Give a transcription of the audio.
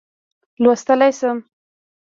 لوستلای شم.